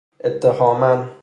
اتهاماً